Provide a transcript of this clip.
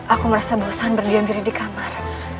aku merasa bosan berdiam diri di kamar